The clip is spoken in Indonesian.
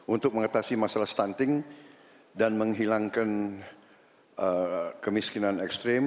untuk mengatasi masalah stunting dan menghilangkan kemiskinan ekstrim